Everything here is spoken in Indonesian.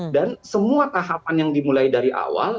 dan semua tahapan yang dimulai dari awal